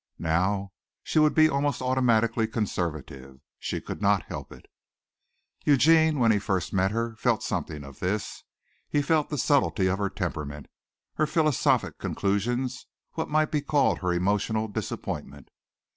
Now she would be almost automatically conservative. She could not help it. Eugene when he first met her felt something of this. He felt the subtlety of her temperament, her philosophic conclusions, what might be called her emotional disappointment.